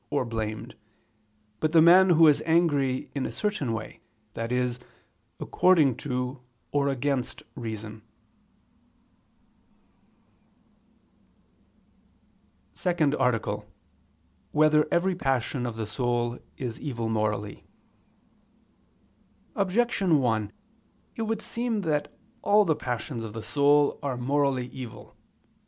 . or blamed, but the man who is angry in a certain way, i.e. according to, or against reason." ________________________ SECOND ARTICLE [I II, Q. 24, Art. 2] Whether Every Passion of the Soul Is Evil Morally? Objection 1: It would seem that all the passions of the soul are morally evil.